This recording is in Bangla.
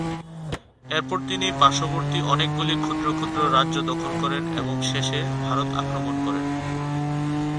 এরপর তিনি পার্শ্ববর্তী অনেকগুলি ক্ষুদ্র ক্ষুদ্র রাজ্য দখল করেন এবং শেষে ভারত আক্রমণ করেন।